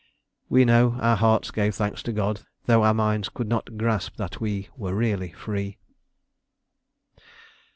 We know our hearts gave thanks to God, though our minds could not grasp that we were really free.